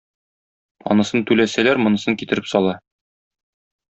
Анысын түләсәләр, монысын китереп сала.